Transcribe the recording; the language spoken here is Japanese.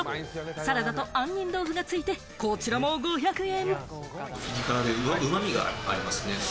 サラダと杏仁豆腐がついて、こちらも５００円。